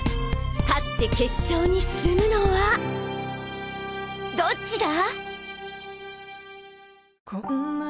勝って決勝に進むのはどっちだ？